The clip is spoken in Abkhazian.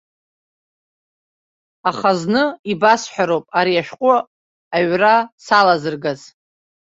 Аха зны ибасҳәароуп ари ашәҟәы аҩра салазыргаз.